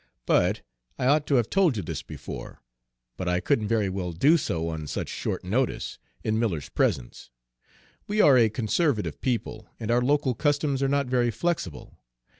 But I ought to have told you this before, but I couldn't very well do so, on such short notice, in Miller's presence we are a conservative people, and our local customs are not very flexible.